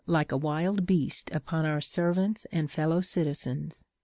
ΛΥΓαΛ like a wild beast upon our servants and fellow citi zens.